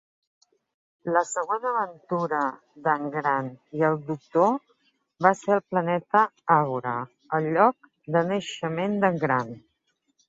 La següent aventura d'en Grant i el doctor va ser al planeta Agora, el lloc de naixement d'en Grant.